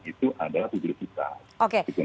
itu adalah publicitas oke